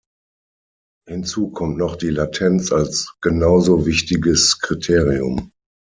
Hinzu kommt noch die Latenz als genauso wichtiges Kriterium.